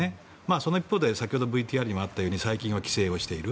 その一方で先ほどＶＴＲにもあったように最近は規制をしている。